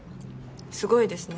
すごいですね。